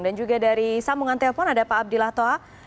dan juga dari sambungan telepon ada pak abdillah toa